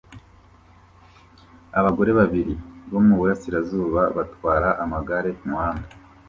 Abagore babiri bo mu burasirazuba batwara amagare kumuhanda